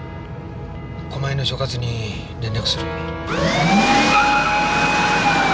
狛江の所轄に連絡する。